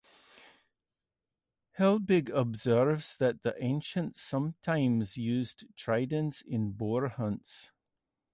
Helbig observes that the ancients sometimes used tridents in boar-hunts.